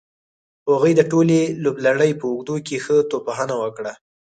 هغوی د ټولې لوبلړۍ په اوږدو کې ښه توپ وهنه وکړه.